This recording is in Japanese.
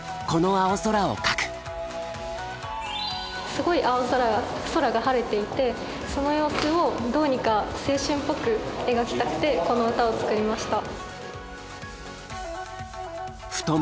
すごい青空が空が晴れていてその様子をどうにか青春っぽく描きたくてこの歌を作りました。